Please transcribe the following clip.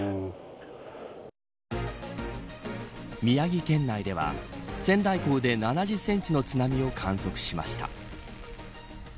宮城県内では仙台港で７０センチの津波を観測しました。